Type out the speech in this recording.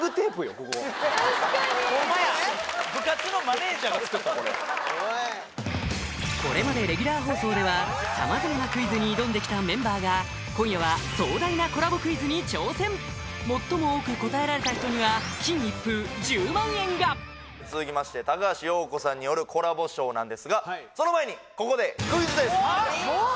ここ確かにホンマやこれまでレギュラー放送では様々なクイズに挑んできたメンバーが今夜は壮大なコラボクイズに挑戦最も多く答えられた人には金一封１０万円が続きまして高橋洋子さんによるコラボショーなんですがその前にここでクイズです！